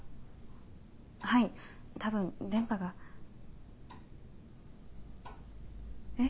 はい多分電波が。え？